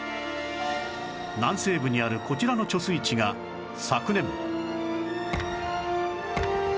南西部にあるこちらの貯水池が昨年